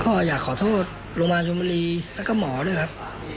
ก็อยากขอโทษหลุงมาชุมมิรีแล้วก็หมอด้วยครับ